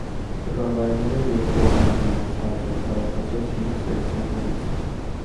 Տրամվայները երկկողմանի են, ցածր, բաղկացած հինգ սեկցիաներից։